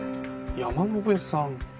山野辺さん。